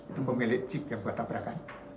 itu pemilik jeep yang buat tabrakan